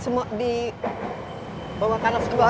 semua di bawah kanak semua